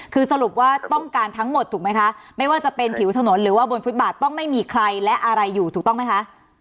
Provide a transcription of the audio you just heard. คือสรุปว่าต้องการทั้งหมดถูกไหมคะไม่ว่าจะเป็นผิวถนนหรือว่าบนฟุตบาทต้องไม่มีใครและอะไรอยู่ถูกต้องไหมคะ